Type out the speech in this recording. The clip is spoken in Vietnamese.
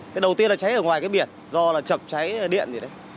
thế đầu tiên là cháy ở ngoài cái biển do là chậm cháy điện gì đấy